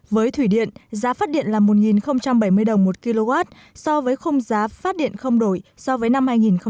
với thủy điện giá phát điện là một bảy mươi đồng một kw so với khung giá phát điện không đổi so với năm hai nghìn một mươi tám